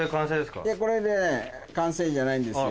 これで完成じゃないんですよ。